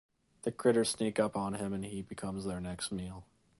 The Critters sneak up on him and he becomes their next meal.